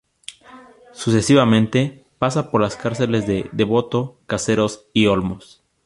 Sucesivamente, pasa por las cárceles de Devoto, Caseros y Olmos.